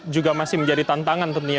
juga masih menjadi tantangan tentunya